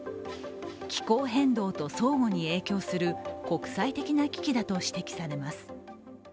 気候変動と相互に影響する国際的な危機だと指摘されます。